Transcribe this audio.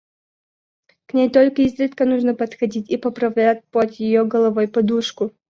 К ней только изредка нужно подходить и поправлять под ее головой подушку.